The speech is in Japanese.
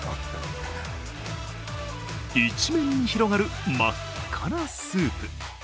一面に広がる真っ赤なスープ。